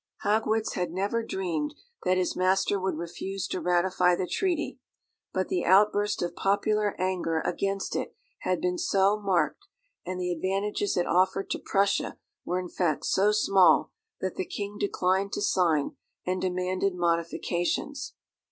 Haugwitz had never dreamed that his master would refuse to ratify the treaty; but the outburst of popular anger against it had been so marked, and the advantages it offered to Prussia were in fact so small, that the King declined to sign, and demanded modifications.